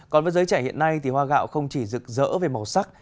còn với giới trẻ hiện nay thì hoa gạo không chỉ rực rỡ về màu sắc